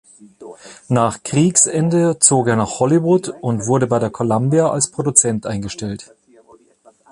Nach Kriegsende zog er nach Hollywood und wurde bei der Columbia als Produzent eingestellt.